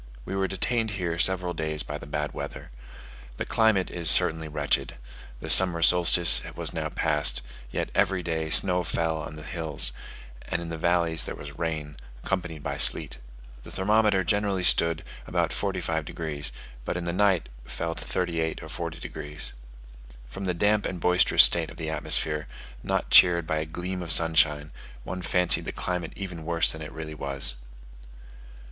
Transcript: We were detained here several days by the bad weather. The climate is certainly wretched: the summer solstice was now passed, yet every day snow fell on the hills, and in the valleys there was rain, accompanied by sleet. The thermometer generally stood about 45 degs., but in the night fell to 38 or 40 degs. From the damp and boisterous state of the atmosphere, not cheered by a gleam of sunshine, one fancied the climate even worse than it really was.